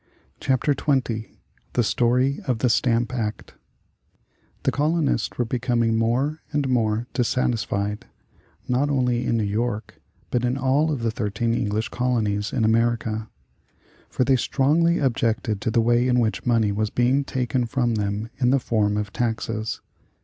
CHAPTER XX THE STORY of the STAMP ACT The colonists were becoming more and more dissatisfied, not only in New York, but in all of the thirteen English colonies in America. For they strongly objected to the way in which money was being taken from them in the form of taxes.